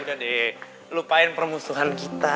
udah deh lupain permusuhan kita